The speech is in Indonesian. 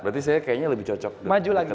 berarti saya kayaknya lebih cocok dekat aja ya